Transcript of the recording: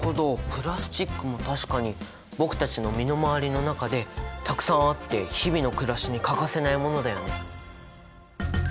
プラスチックも確かに僕たちの身の回りの中でたくさんあって日々のくらしに欠かせないものだよね。